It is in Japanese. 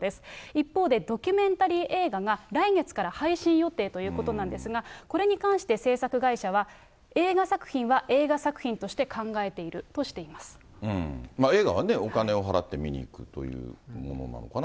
一方で、ドキュメンタリー映画が来月から配信予定ということなんですが、これに関して製作会社は、映画作品は映画作品として考えていると映画はね、お金を払って見にいくというものなのかな。